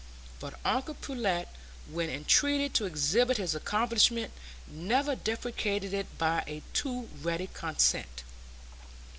But uncle Pullet, when entreated to exhibit his accomplishment, never depreciated it by a too ready consent.